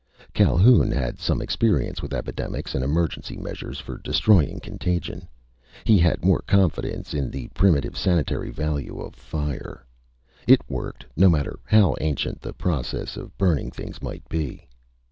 Calhoun had some experience with epidemics and emergency measures for destroying contagion. He had more confidence in the primitive sanitary value of fire. It worked, no matter how ancient the process of burning things might be.